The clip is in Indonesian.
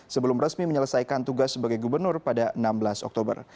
sebelum resmi menyelesaikan tugas sebagai gubernur pada enam belas oktober